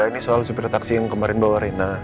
ini soal supir taksi yang kemarin bawa rina